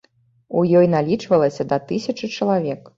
У ёй налічвалася да тысячы чалавек.